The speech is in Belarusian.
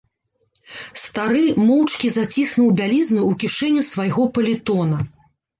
Стары моўчкі заціснуў бялізну ў кішэню свайго палітона.